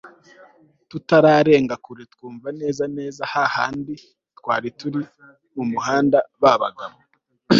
tutaragera kure twumva neza neza hahandi twari turi mumuhanda, babagabo